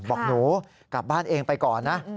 บอกหนูกลับบ้านเองไปก่อนนะ